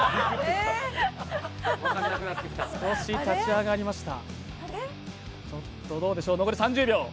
少し立ち上がりました。